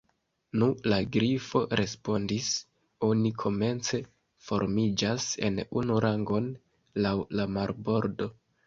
"Nu," la Grifo respondis, "oni komence formiĝas en unu rangon laŭ la marbordo."